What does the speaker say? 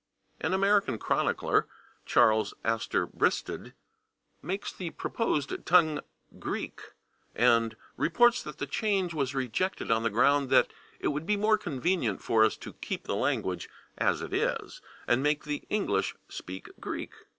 An American chronicler, Charles Astor Bristed, makes the proposed tongue Greek, and reports that the change was rejected on the ground that "it would be more convenient for us to keep the language as it is, and make the English speak Greek."